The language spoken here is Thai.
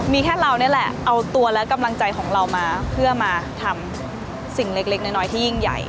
มีแค่เรานี่แหละเอาตัวและกำลังใจของเรามาเพื่อมาทำสิ่งเล็กน้อยที่ยิ่งใหญ่